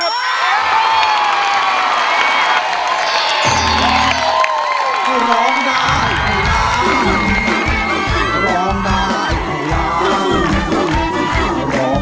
เพลงที่สี่นะครับมูลค่าหกหมื่นบาท